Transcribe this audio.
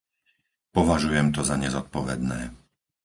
Považujem to za nezodpovedné.